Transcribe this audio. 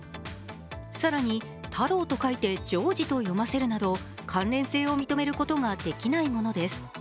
更に、「太郎」と書いて「ジョージ」と読ませるなど関連性を認めることができないものです。